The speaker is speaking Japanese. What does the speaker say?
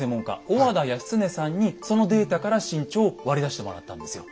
小和田泰経さんにそのデータから身長を割り出してもらったんですよ。